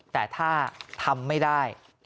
แต่ถ้าทำไม่ได้